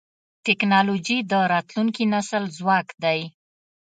ټکنالوجي د راتلونکي نسل ځواک دی.